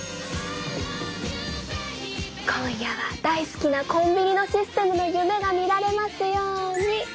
今夜は大好きなコンビニのシステムのゆめが見られますように！